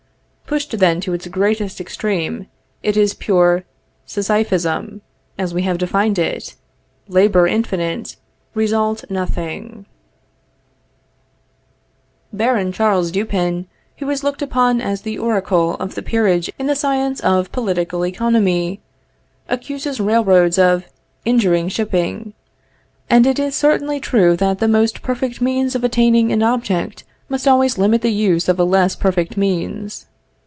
Pushed then to its greatest extreme, it is pure Sisyphism as we have defined it: labor infinite; result nothing. Baron Charles Dupin, who is looked upon as the oracle of the peerage in the science of political economy, accuses railroads of injuring shipping, and it is certainly true that the most perfect means of attaining an object must always limit the use of a less perfect means.